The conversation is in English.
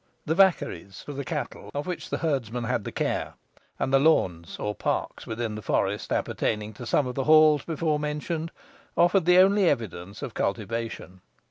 The "vaccaries" for the cattle, of which the herdsmen had the care, and the "lawnds," or parks within the forest, appertaining to some of the halls before mentioned, offered the only evidences of cultivation.